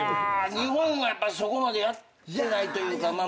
日本はやっぱそこまでやってないというか。